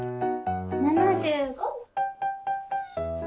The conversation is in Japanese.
７５。